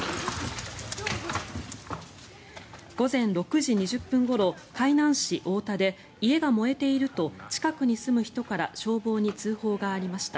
午前６時２０分ごろ海南市多田で家が燃えていると近くに住む人から消防に通報がありました。